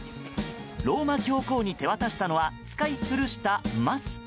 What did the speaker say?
ローマ教皇に手渡したのは使い古したマスク。